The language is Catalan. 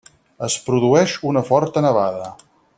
Es produeix una forta nevada.